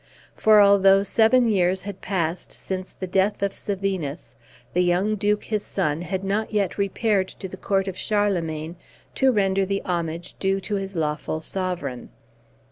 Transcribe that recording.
For although seven years had passed since the death of Sevinus, the young Duke, his son, had not yet repaired to the court of Charlemagne to render the homage due to his lawful sovereign.